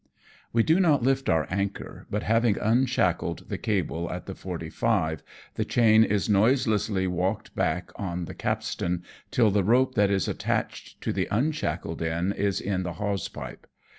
We do not lift our anchor, but having unshackled the cable at the forty five, the chain is noiselessly walked back on the capstan till the rope that is attached to the unshackled end is in the hawse pipe.